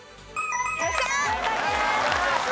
正解です。